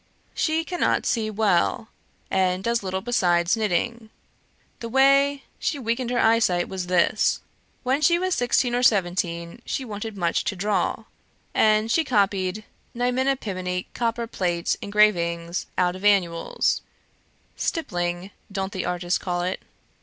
"She cannot see well, and does little beside knitting. The way she weakened her eyesight was this: When she was sixteen or seventeen, she wanted much to draw; and she copied niminipimini copper plate engravings out of annuals, ('stippling,' don't the artists call it?)